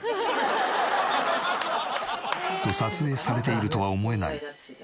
と撮影されているとは思えない超自然体。